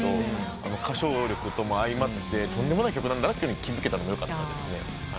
歌唱力とも相まってとんでもない曲だなって気付けたのよかったですね。